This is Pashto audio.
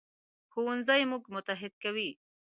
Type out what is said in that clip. ښوونځی موږ متحد کوي